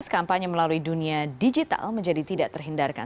kampanye melalui dunia digital menjadi tidak terhindarkan